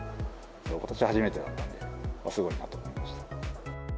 ことし初めてだったので、すごいなと思いました。